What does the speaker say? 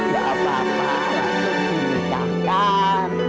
tidak apa apa langsung dimikahkan